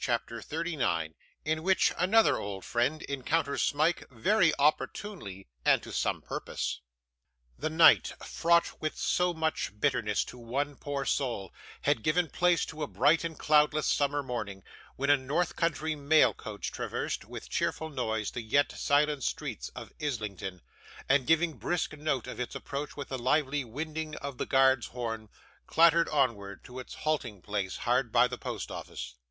CHAPTER 39 In which another old Friend encounters Smike, very opportunely and to some Purpose The night, fraught with so much bitterness to one poor soul, had given place to a bright and cloudless summer morning, when a north country mail coach traversed, with cheerful noise, the yet silent streets of Islington, and, giving brisk note of its approach with the lively winding of the guard's horn, clattered onward to its halting place hard by the Post Office.